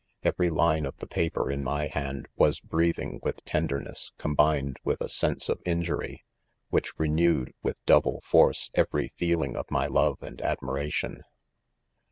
Every line of the paper in my hand was breathing with tenderness, combined with a sense of injury, which renewed with double force every feeling of my love and ad miration.